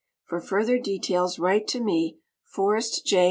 For further details write to me. Forrest J.